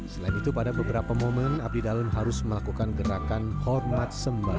selain itu pada beberapa momen abdi dalem harus melakukan gerakan hormat sembarangan